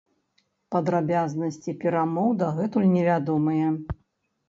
Падрабязнасці перамоў дагэтуль невядомыя.